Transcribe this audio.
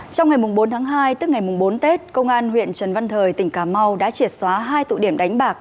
trong ngày bốn tháng hai tức ngày bốn tết công an huyện trần văn thời tỉnh cà mau đã triệt xóa hai tụ điểm đánh bạc